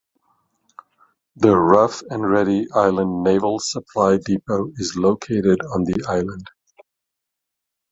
The Rough and Ready Island Naval Supply Depot is located on the island.